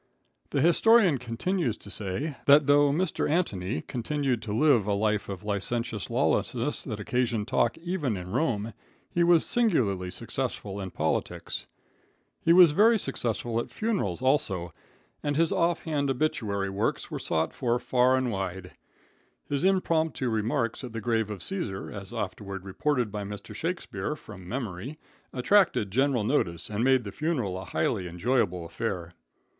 The historian continues to say, that though Mr. Antony continued to live a life of licentious lawlessness, that occasioned talk even in Rome, he was singularly successful in politics. He was very successful at funerals, also, and his off hand obituary works were sought for far and wide. His impromptu remarks at the grave of Caesar, as afterward reported by Mr. Shakespeare, from memory, attracted general notice and made the funeral a highly enjoyable affair.